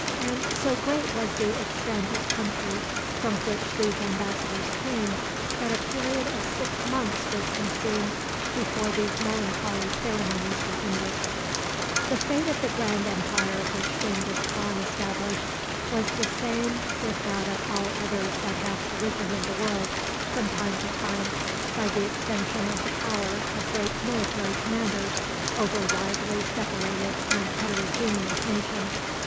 And so great was the extent of country from which these embassadors came that a period of six months was consumed before these melancholy ceremonies were ended. The fate of the grand empire which Genghis Khan established was the same with that of all others that have arisen in the world, from time to time, by the extension of the power of great military commanders over widely separated and heterogeneous nations.